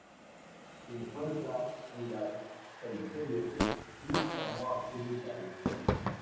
Se encuentra en las Seychelles y Samoa Occidental.